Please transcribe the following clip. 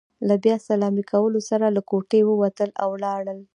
له بیا سلامۍ کولو سره له کوټې ووتل، او لاړل.